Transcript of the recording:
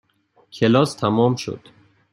کلاس تمام شد.